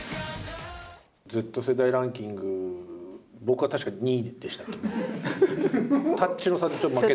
Ｚ世代ランキング、僕は確か２位でしたっけ？